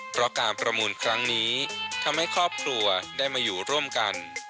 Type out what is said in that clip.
เพราะการประมูลครั้งนี้ทำให้ครอบครัวได้มาอยู่ร่วมกัน